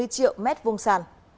bảy mươi triệu mét vùng sàn